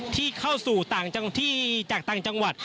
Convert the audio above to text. ที่เข้าสู่ต่างที่จากต่างจังหวัด